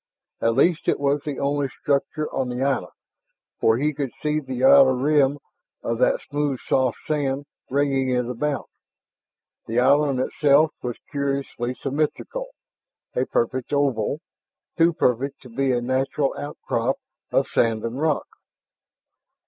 At least it was the only structure on the island, for he could see the outer rim of that smooth soft sand ringing it about. The island itself was curiously symmetrical, a perfect oval, too perfect to be a natural outcrop of sand and rock.